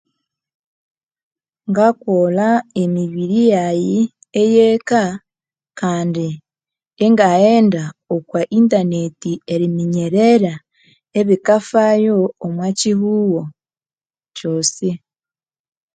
Ngakolha emibiri yayi eyeka kandi inga ghende okwa intaneti eriminyerera ebikafwayo omwa kyihugho kyosi